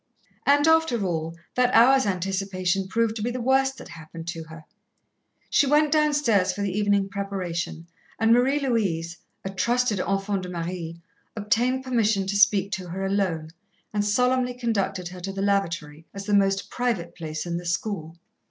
And, after all, that hour's anticipation proved to be the worst that happened to her. She went downstairs for the evening preparation, and Marie Louise, a trusted enfant de Marie, obtained permission to speak to her alone, and solemnly conducted her to the lavatory, as the most private place in the school.